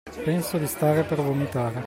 Penso di stare per vomitare.